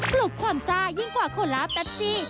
ปลุกความซ่ายิ่งกว่าโขลาปตั๊ดซี่